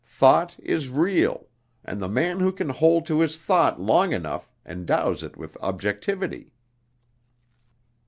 Thought is real; and the man who can hold to his thought long enough endows it with objectivity."